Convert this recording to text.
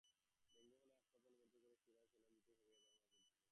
Dengue হলে হাসপাতালে ভর্তি করে শিরায় স্যালাইন দিতেই হবে এ ধারণাও ভুল।